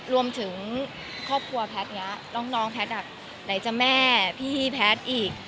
รวมถึงครอบครัวแพทย์นี้น้องแพทย์ไหนจะแม่พี่แพทย์อีก